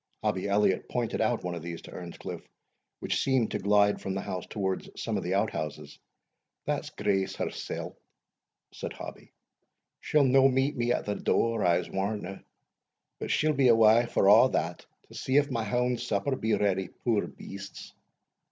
Hobbie Elliot pointed out one of these to Earnscliff, which seemed to glide from the house towards some of the outhouses "That's Grace hersell," said Hobbie. "She'll no meet me at the door, I'se warrant her but she'll be awa', for a' that, to see if my hounds' supper be ready, poor beasts."